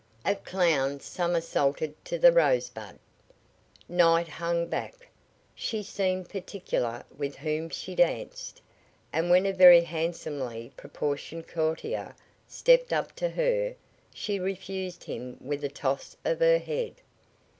A clown somersaulted to the Rosebud. Night hung back. She seemed particular with whom she danced, and when a very handsomely proportioned courtier stepped up to her she refused him with a toss of her head.